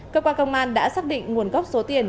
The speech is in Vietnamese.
cơ quan công an đã xác định nguồn gốc số tiền